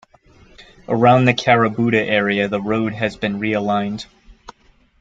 Around the Carabooda area the road has been realigned.